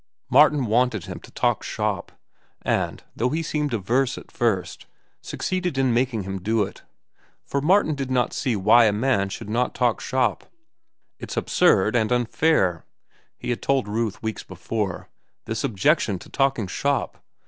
Martin wanted him to talk shop, and, though he seemed averse at first, succeeded in making him do it. For Martin did not see why a man should not talk shop. "It's absurd and unfair," he had told Ruth weeks before, "this objection to talking shop.